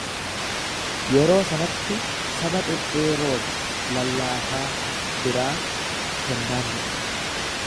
Yeroo sanatti saba dhedheeroo fi lallaafaa biraa kennaan ni dhufa.